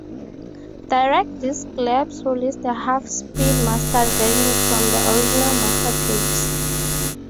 Direct Disk Labs released a half speed mastered version from the original master tapes.